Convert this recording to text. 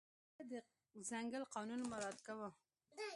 هغه د ځنګل قانون مراعت کاوه.